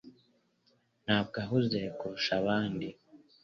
ntabwo ahuze kurusha abandi.